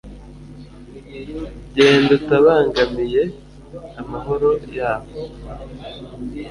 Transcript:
Genda utabangamiye amahoro yabo